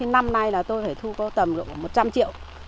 năm nay tôi phải thu có tầm một trăm linh triệu